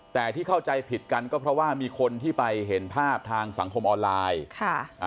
แต่ที่เข้าใจผิดกันก็เพราะว่ามีคนที่ไปเห็นภาพทางสังคมออนไลน์ค่ะอ่า